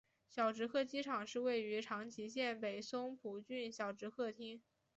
小值贺机场是位于长崎县北松浦郡小值贺町。